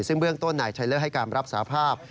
ซึ่งเบื้องต้นนายชัยเลอร์ให้การรับสาภาพ